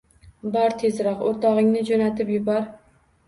Bor tezroq, o‘rtog‘ingni jo‘natib yubor